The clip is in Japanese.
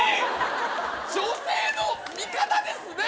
女性の味方ですね！